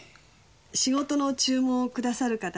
仕事の注文を下さる方で。